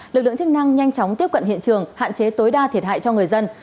lực lượng chức năng nhanh chóng tiếp cận hiện trường hạn chế tối đa thiệt hại cho người dân